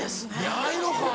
ないのか！